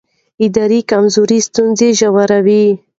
اداري کمزوري ستونزې ژوروي